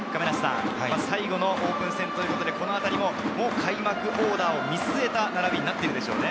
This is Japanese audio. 最後のオープン戦ということで、開幕オーダーを見据えた並びになっているでしょうね。